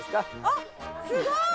あっすごい！